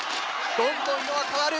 どんどん色が変わる。